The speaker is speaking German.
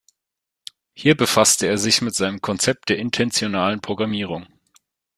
Hier befasste er sich mit seinem Konzept der Intentionalen Programmierung.